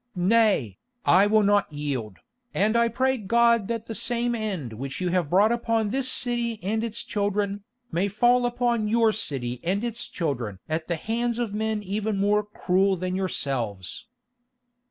"Nay, I will not yield, and I pray God that the same end which you have brought upon this city and its children, may fall upon your city and its children at the hands of men even more cruel than yourselves."